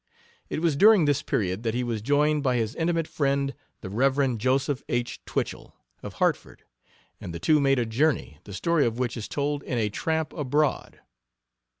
It was during this period that he was joined by his intimate friend, the Rev. Joseph H. Twichell, of Hartford, and the two made a journey, the story of which is told in A Tramp Abroad.